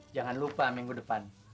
jangan lupa minggu depan